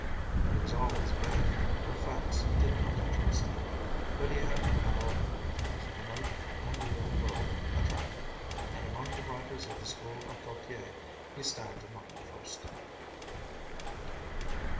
He was always vague, for facts did not interest him; but he had the power of making his remote, unreal world attractive, and among the writers of the school of Gautier he stands among the first.